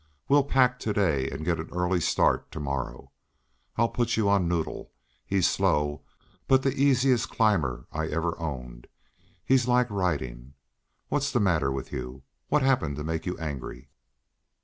We'll pack to day and get an early start to morrow. I'll put you on Noddle; he's slow, but the easiest climber I ever owned. He's like riding... What's the matter with you? What's happened to make you angry?"